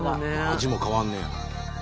味も変わんねや。